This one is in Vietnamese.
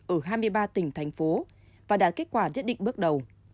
ở hai mươi ba tỉnh thành phố và đạt kết quả nhất định bước đầu